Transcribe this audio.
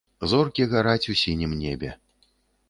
Зоркі гараць у сінім небе.